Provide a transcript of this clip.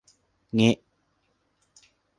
เงะ